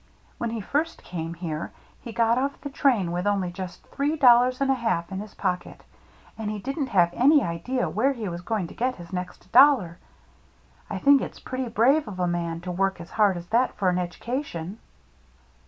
When he first came here, he got off the train with only just three dollars and a half in his pocket, and he didn't have any idea where he was going to get his next dollar. I think it's pretty brave of a man to work as hard as that for an education."